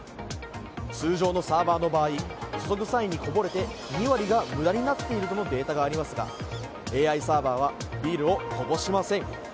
通常のサーバーの場合注ぐ際にこぼれて２割が無駄になっているとのデータがありますがＡＩサーバーはビールをこぼしません。